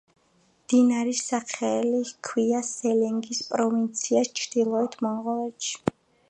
მდინარის სახელი ჰქვია სელენგის პროვინციას ჩრდილოეთ მონღოლეთში.